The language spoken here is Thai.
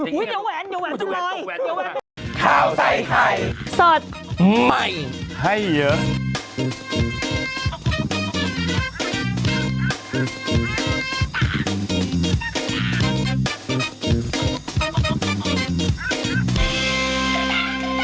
อุ๊ยเดี๋ยวแหวนเดี๋ยวแหวนจนเลยเดี๋ยวแหวนขาวใส่ไข่สดไหมให้เยอะ